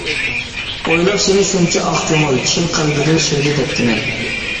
ئويلاپ سىنى شۇنچە ئاق كۆڭۈل، چىن قەلبىدىن سۆيدى دەپتىمەن.